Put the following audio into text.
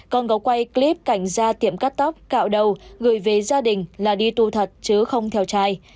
con có quay clip cảnh gia tiệm cắt tóc cạo đầu gửi về gia đình là đi tu thật chứ không theo trai